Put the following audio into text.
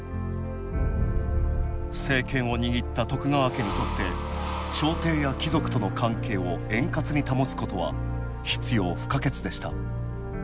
政権を握った徳川家にとって朝廷や貴族との関係を円滑に保つことは必要不可欠でした。